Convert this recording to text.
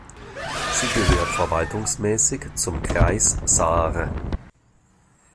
Sie gehört verwaltungsmäßig zum Kreis Saare.